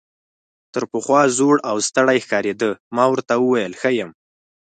تر پخوا زوړ او ستړی ښکارېده، ما ورته وویل ښه یم.